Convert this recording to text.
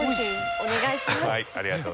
お願いします。